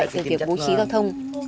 từ việc bố trí giao thông